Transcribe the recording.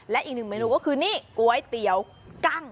และอีกหนึ่งเมนูก็คือนี่ก๋วยเตี๋ยวกั้ง